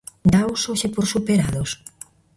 Dáos hoxe por superados?